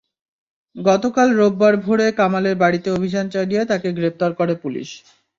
গতকাল রোববার ভোরে কামালের বাড়িতে অভিযান চালিয়ে তাঁকে গ্রেপ্তার করে পুলিশ।